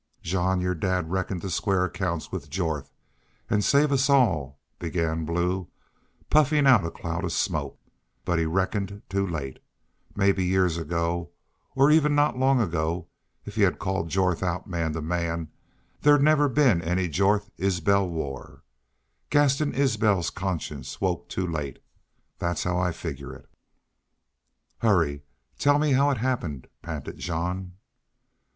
"Jean, your dad reckoned to square accounts with Jorth, an' save us all," began Blue, puffing out a cloud of smoke. "But he reckoned too late. Mebbe years; ago or even not long ago if he'd called Jorth out man to man there'd never been any Jorth Isbel war. Gaston Isbel's conscience woke too late. That's how I figger it." "Hurry! Tell me how it happen," panted Jean.